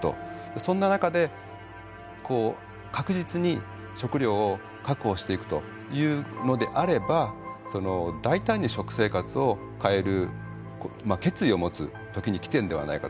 そんな中で確実に食料を確保していくというのであれば大胆に食生活を変える決意を持つ時にきてるのではないかと。